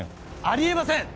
ありえません！